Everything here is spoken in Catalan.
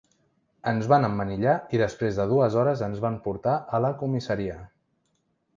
Ens van emmanillar i després de dues hores ens van portar a la comissaria.